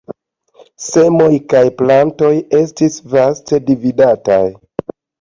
Semoj kaj plantoj estis vaste dividataj.